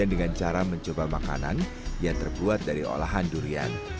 dengan cara mencoba makanan yang terbuat dari olahan durian